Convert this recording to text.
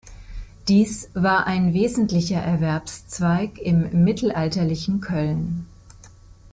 Dies war ein wesentlicher Erwerbszweig im mittelalterlichen Köln.